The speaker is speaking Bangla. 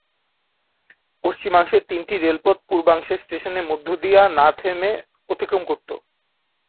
পশ্চিমাংশের তিনটি রেলপথ পূর্বাংশের স্টেশনের মধ্য দিয়া না থেমে অতিক্রম করতো।